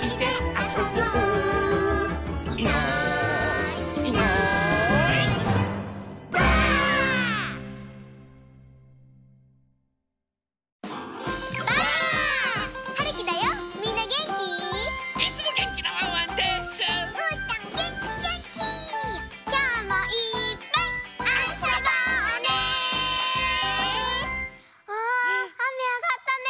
あああめあがったね。